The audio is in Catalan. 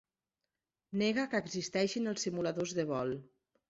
Nega que existeixin els simuladors de vol.